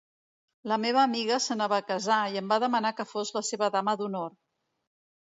La meva amiga s'anava a casar i em va demanar que fos la seva dama d'honor.